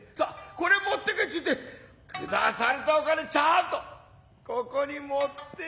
これをもってけちゅうて下されたお金ちゃんと爰に持ってんのよ。